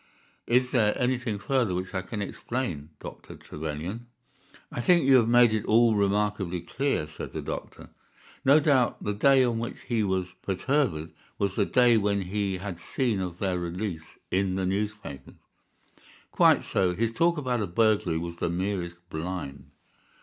Is there anything further which I can explain, Dr. Trevelyan?" "I think you have made it all remarkably clear," said the doctor. "No doubt the day on which he was perturbed was the day when he had seen of their release in the newspapers." "Quite so. His talk about a burglary was the merest blind."